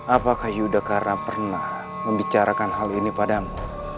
apakah yudhakara pernah membicarakan hal ini padamu